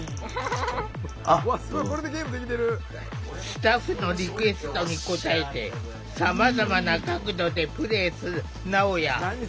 スタッフのリクエストに応えてさまざまな角度でプレイするなおや。